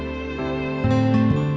aku mau ke sana